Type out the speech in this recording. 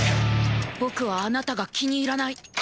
僕はあなたが気に入らない。